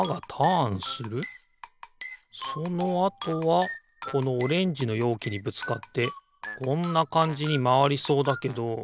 そのあとはこのオレンジのようきにぶつかってこんなかんじにまわりそうだけど。